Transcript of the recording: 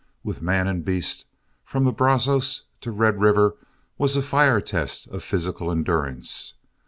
With man and beast, from the Brazos to Red River was a fire test of physical endurance.